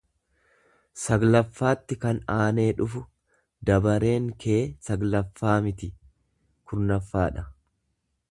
saglaffaatti kan aanee dhufu; Dabareen kee saglaffaa irratti miti, kurnaffaadha.